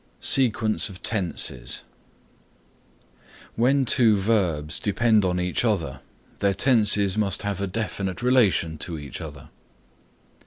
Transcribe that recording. SEQUENCE OF TENSES When two verbs depend on each other their tenses must have a definite relation to each other.